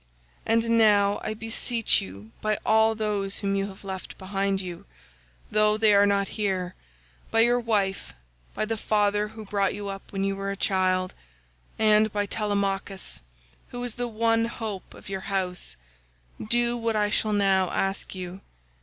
And now I beseech you by all those whom you have left behind you, though they are not here, by your wife, by the father who brought you up when you were a child, and by Telemachus who is the one hope of your house, do what I shall now ask you.